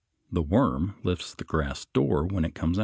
The worm lifts the grass door when it comes out.